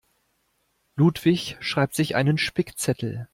Ludwig schreibt sich einen Spickzettel.